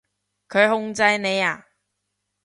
佢控制你呀？